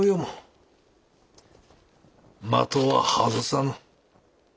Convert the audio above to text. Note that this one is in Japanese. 的は外さぬ。